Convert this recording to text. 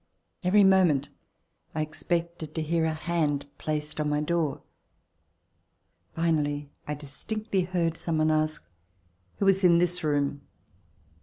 Every moment I expected to hear a hand placed upon my door. Finally, I distinctly heard some one ask: "Who is in this room?"